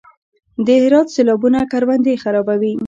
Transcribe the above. د هرات سیلابونه کروندې خرابوي؟